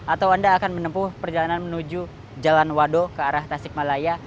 atau anda akan menempuh perjalanan menuju jalan wado ke arah tasikmalaya